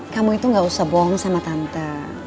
kamu itu gak usah bohong sama tante